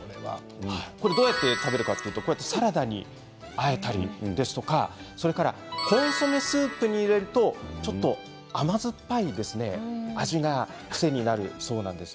どうやって食べるかというとサラダにあえたりコンソメスープに入れるとちょっと甘酸っぱい味が癖になるそうです。